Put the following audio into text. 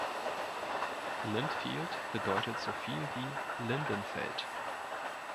Lindfield bedeutet soviel wie „Lindenfeld“.